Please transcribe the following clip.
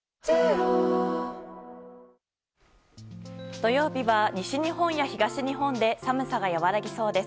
土曜日は、西日本や東日本で寒さが和らぎそうです。